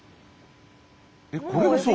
えっこれがそう？